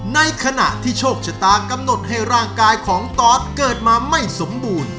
ในขณะที่โชคชะตากำหนดให้ร่างกายของตอสเกิดมาไม่สมบูรณ์